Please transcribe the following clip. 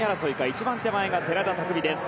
一番手前が寺田拓未。